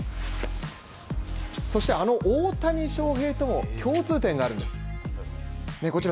そしてあの大谷翔平と共通点があるんですこちら